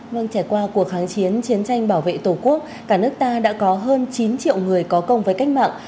vâng trải qua cuộc kháng chiến chiến tranh bảo vệ tổ quốc cả nước ta đã có hơn chín triệu người có công với cách mạng